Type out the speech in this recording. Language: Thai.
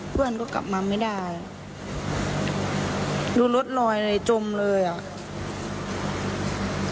เพื่อนก็กลับมาไม่ได้ดูรถลอยอะไรจมเลยอ่ะ